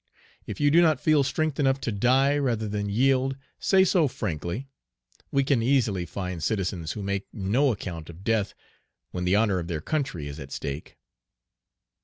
If you do not feel strength enough to die rather than yield, say so frankly. We can easily find citizens who make no account of death, when the honor of their country is at stake."